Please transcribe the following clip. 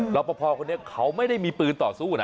รอปภคนนี้เขาไม่ได้มีปืนต่อสู้นะ